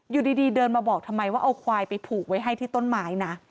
อยู่ดีเดินมาบอกทำไมว่าเอาควายไปผูกไว้ให้ที่ต้นไม้นะ